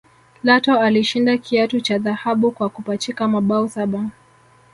Lato alishinda kiatu cha dhahabu kwa kupachika mabao saba